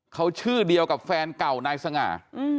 เขาชื่อเดียวกับแฟนเก่านายสง่า